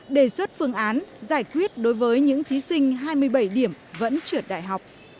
đề xuất phương án giải quyết đối với những thí sinh hai mươi bảy điểm vẫn trượt đại học